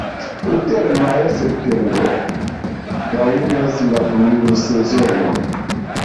Inter majo-septembro daŭras la pluvsezono.